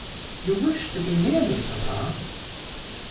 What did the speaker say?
"You wish to be near me, papa?"